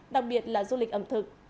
đặc biệt là du lịch ẩm thực